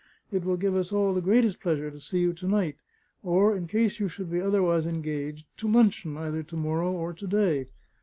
It will give us all the greatest pleasure to see you to night, or in case you should be otherwise engaged, to luncheon either to morrow or to day."